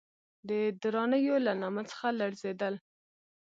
د درانیو له نامه څخه لړزېدل.